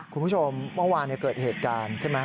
คุณผู้ชมเมื่อวานเกิดเหตุการณ์ใช่ไหม